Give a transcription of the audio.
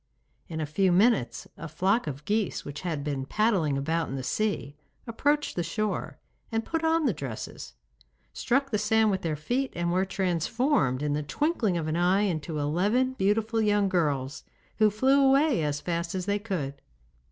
In a few minutes a flock of geese which had been paddling about in the sea approached the shore, and put on the dresses, struck the sand with their feet and were transformed in the twinkling of an eye into eleven beautiful young girls, who flew away as fast as they could.